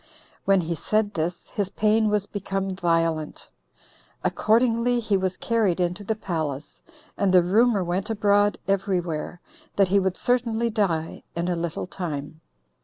When he said this, his pain was become violent. Accordingly he was carried into the palace, and the rumor went abroad every where, that he would certainly die in a little time.